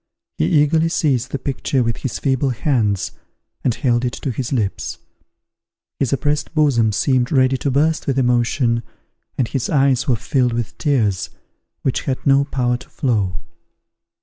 He eagerly seized the picture with his feeble hands, and held it to his lips. His oppressed bosom seemed ready to burst with emotion, and his eyes were filled with tears which had no power to flow.